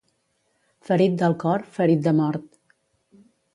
Ferit del cor, ferit de mort.